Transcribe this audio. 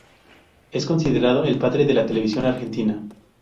Es considerado el padre de la televisión argentina.